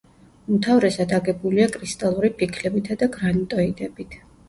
უმთავრესად აგებულია კრისტალური ფიქლებითა და გრანიტოიდებით.